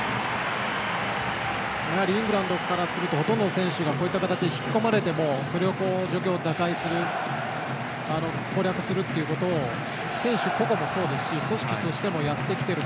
イングランドからするとほとんどの選手が引き込まれてもその状況を打開する攻略することを選手個々もそうですし組織としてもやってきている。